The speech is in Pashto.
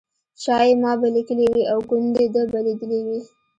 شایي ما به لیکلي وي او ګوندې ده به لیدلي وي.